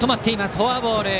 フォアボール。